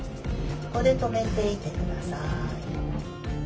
ここで止めていてください。